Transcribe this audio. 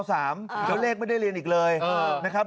แล้วเลขไม่ได้เรียนอีกเลยนะครับ